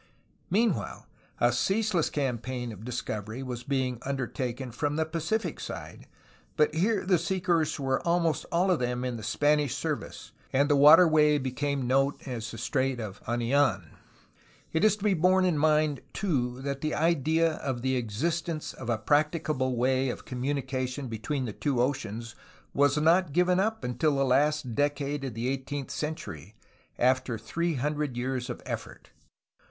Meanwhile, a ceaseless campaign of discovery was being undertaken from the Pacific side, but here the seekers were almost all of them in the Spanish service, and the waterway became known as the "Strait of Anidn." It is to be borne in mind, too, that the idea of the existence of a practicable way of communication between the two oceans was not given up until the last decade of the eighteenth century, after three hundred years of effort.